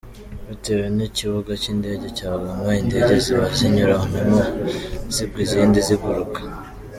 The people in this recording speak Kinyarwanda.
Bitewe n’ikibuga cy’indege cya Goma, indege ziba zinyuranamo zigwa izindi ziguruka.